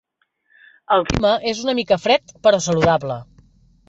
El clima és una mica fred, però saludable.